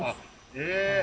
え。